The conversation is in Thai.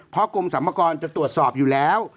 เพราะกรมสรรพากรจะตรวจสอบอยู่แล้ว